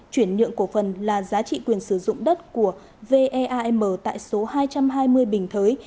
chuyển nhượng cổ phần là giá trị quyền sử dụng đất của veam tại số hai trăm hai mươi bình thới